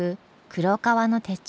黒革の手帳。